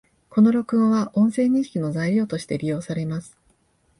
この録音は、音声認識の材料として利用されます